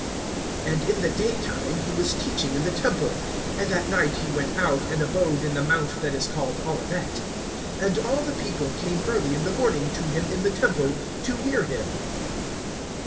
(37)And in the daytime he was teaching in the temple; and at night he went out, and abode in the mount that is called Olivet. (38)And all the people came early in the morning to him in the temple, to hear him.